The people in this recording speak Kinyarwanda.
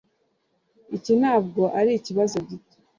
Iki ntabwo ari ikibazo gito